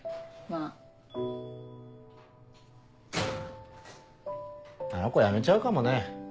あの子辞めちゃうかもね。